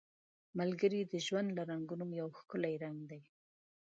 ملګری د ژوند له رنګونو یو ښکلی رنګ دی